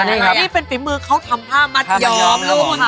แล้วนี่เป็นฝีมือเขาทำผ้าสมัตยอม